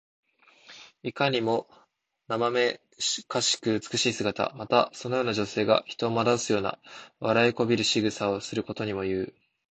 いかにもなまめかしく美しい姿。また、そのような女性が人を惑わすような、笑いこびるしぐさをすることにもいう。